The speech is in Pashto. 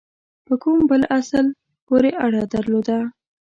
په کوم بل اصل پوري اړه درلوده.